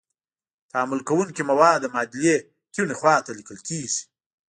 تعامل کوونکي مواد د معادلې کیڼې خواته لیکل کیږي.